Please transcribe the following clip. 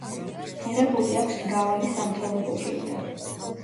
მიღებული აქვს მრავალი სამთავრობო ჯილდო.